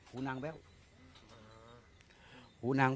พระต่ายสวดมนต์